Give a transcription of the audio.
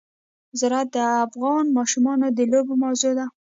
زراعت د افغان ماشومانو د لوبو موضوع ده.